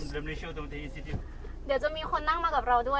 เดี๋ยวจะมีคนนั่งมากับเราด้วย